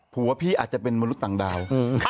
พี่อาจจะเป็นมนุษย์ต่างดาว